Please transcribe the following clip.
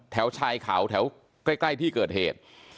แถวชายเขาแถวใกล้ที่เกิดเหตุ